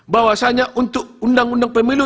bahwasanya untuk undang undang pemilu